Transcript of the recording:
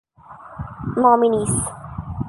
Nominees.